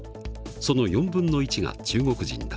その４分の１が中国人だ。